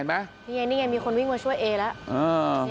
นี่ไงนี่ไงมีคนวิ่งมาช่วยเอแล้ว